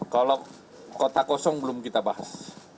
kalau kota kosong belum kita bahas